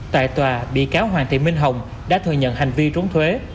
tại tòa bị cáo hoàng thị minh hồng đã thừa nhận hành vi trốn thuế